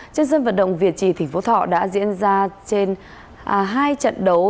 trên dân vật động việt trì thỉnh phố thọ đã diễn ra trên hai trận đấu